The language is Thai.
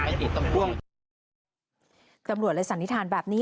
พ่อคงเอาก้อนอิดไปถ่วงไว้ตรงคันเร่งจั๊มแบบนี้